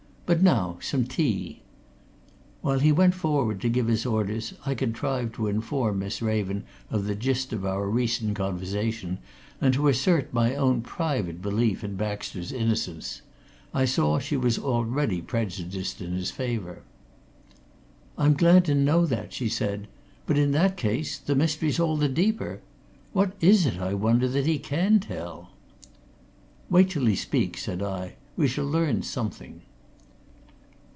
But now some tea!" While he went forward to give his orders, I contrived to inform Miss Raven of the gist of our recent conversation, and to assert my own private belief in Baxter's innocence. I saw that she was already prejudiced in his favour. "I'm glad to know that," she said. "But in that case the mystery's all the deeper. What is it, I wonder, that he can tell." "Wait till he speaks," said I. "We shall learn something."